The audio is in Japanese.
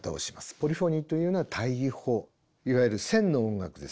ポリフォニーというのは対位法いわゆる線の音楽です。